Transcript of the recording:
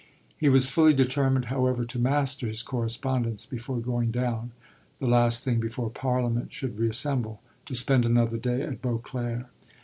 He was fully determined, however, to master his correspondence before going down, the last thing before Parliament should reassemble, to spend another day at Beauclere.